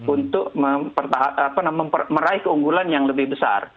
untuk meraih keunggulan yang lebih besar